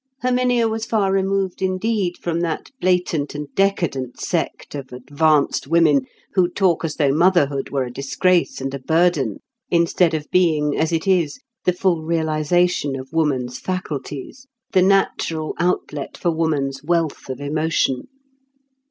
Herminia was far removed indeed from that blatant and decadent sect of "advanced women" who talk as though motherhood were a disgrace and a burden, instead of being, as it is, the full realisation of woman's faculties, the natural outlet for woman's wealth of emotion.